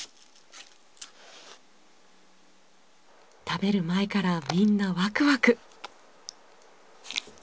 食べる前からみんなワクワク！